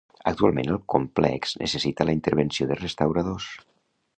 Actualment el complex necessita la intervenció de restauradors.